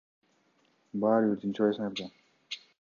Баары бир тынчыбайсыңар да.